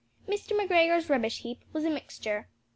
Mr. McGregor's rubbish heap was a mixture.